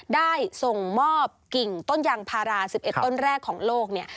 ได้ส่งมอบกิ่งต้นยางพารา๑๑ต้นแรกของโลกเนี่ย